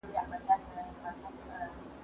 زه به سبا مېوې وچوم،